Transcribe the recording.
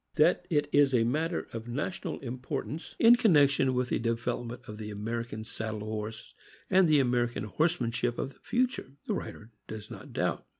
That it is a matter of national importance, in connection with the development of the American saddle horse and the Amer ican horsemanship of the future, the writer does not doubt.